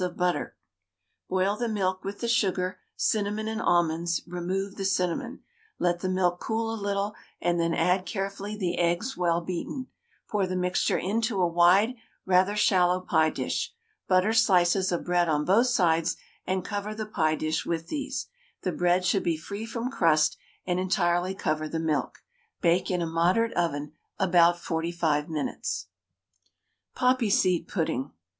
of butter. Boil the milk with the sugar, cinnamon, and almonds; remove the cinnamon, let the milk cool a little, and then add carefully the eggs well beaten. Pour the mixture into a wide, rather shallow pie dish. Butter slices of bread on both sides, and cover the pie dish with these; the bread should be free from crust, and entirely cover the milk. Bake in a moderate oven about 45 minutes. POPPY SEED PUDDING.